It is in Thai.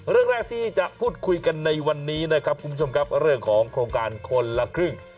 เรื่องแรกที่จะพูดคุยกันในวันนี้นะครับคุณผู้ชมครับเรื่องของโครงการคนละครึ่ง